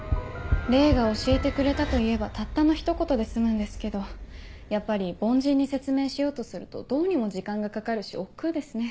霊が教えてくれたと言えばたったのひと言で済むんですけどやっぱり凡人に説明しようとするとどうにも時間がかかるし億劫ですね